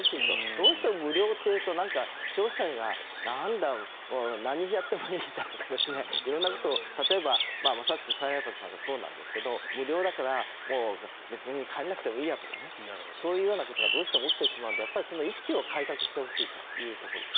どうしても無料というと消費者がなんだ、何やってもいいんだとか色んなこと例えばまさしく再配達なんかそうなんですが無料だから別に帰らなくてもいいやとかそういうことがどうしても起きてしまうのでやっぱりその意識を改革してほしいというところです。